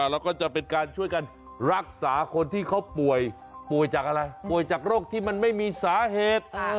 แล้วก็จะเป็นการช่วยกันรักษาคนที่เขาป่วยป่วยจากอะไรป่วยจากโรคที่มันไม่มีสาเหตุ